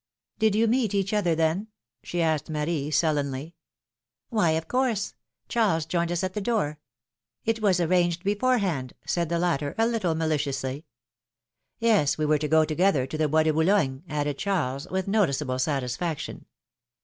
Did you meet each other then ?" she asked Marie, sullenly. Why, of course; Charles joined us at the door. It was arranged beforehand," said the latter, a little mali ciously. Yes, we were to go together to the Bois de Boulogne," added Charles, with noticeable satisfaction.